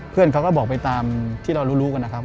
เพื่อนเขาก็บอกไปตามที่เรารู้กันนะครับ